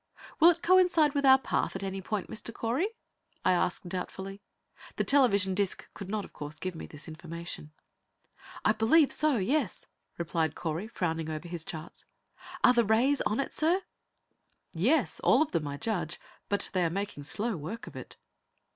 "Will it coincide with our path at any point, Mr. Correy?" I asked doubtfully. The television disc could not, of course, give me this information. "I believe so; yes," replied Correy, frowning over his charts. "Are the rays on it, sir?" "Yes. All of them, I judge, but they are making slow work of it."